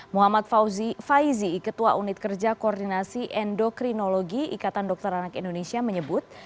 muhammad faizi ketua unit kerja koordinasi endokrinologi ikatan dokter anak indonesia menyebut